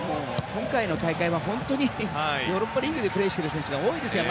今回の大会は本当にヨーロッパリーグでプレーする選手が多いですよ。